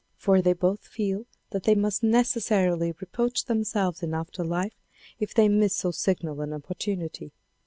For they both feel that they must necessarily reproach themselves in after life if they miss so signal an opportunity.